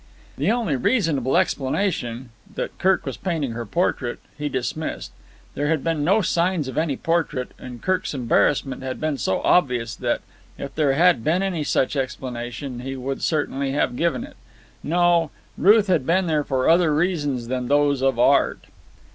The only reasonable explanation that Kirk was painting her portrait he dismissed. There had been no signs of any portrait, and Kirk's embarrassment had been so obvious that, if there had been any such explanation, he would certainly have given it. No, Ruth had been there for other reasons than those of art.